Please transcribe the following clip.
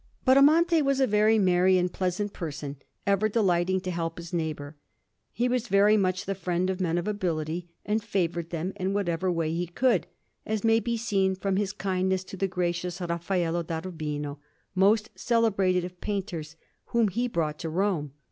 Bramante was a very merry and pleasant person, ever delighting to help his neighbour. He was very much the friend of men of ability, and favoured them in whatever way he could; as may be seen from his kindness to the gracious Raffaello da Urbino, most celebrated of painters, whom he brought to Rome.